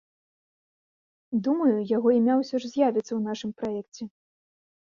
Думаю, яго імя ўсё ж з'явіцца ў нашым праекце.